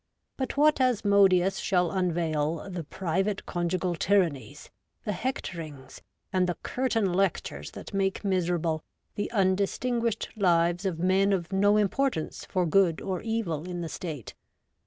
But what As modeus shall unveil the private conjugal tyrannies, the hectorings, and the curtain lectures that make miserable the undistinguished lives of men of no importance for good or evil in the State